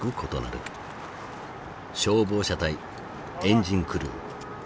消防車隊エンジンクルー。